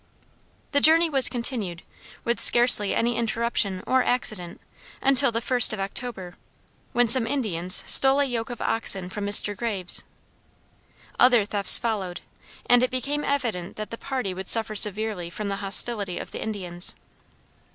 The journey was continued, with scarcely any interruption or accident, until the first of October, when some Indians stole a yoke of oxen from Mr. Graves. Other thefts followed, and it became evident that the party would suffer severely from the hostility of the Indians.